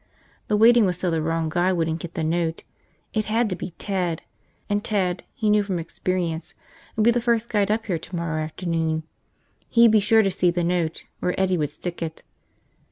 The waiting was so the wrong guy wouldn't get the note. It had to be Ted. And Ted, he knew from experience, would be the first guide up here tomorrow afternoon. He'd be sure to see the note, where Eddie would stick it.